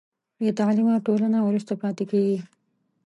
بې تعلیمه ټولنه وروسته پاتې کېږي.